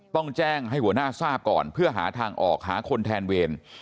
ต้องแจ้งให้หัวหน้าทราบก่อนเพื่อหาทางออกหาคนแทนเวร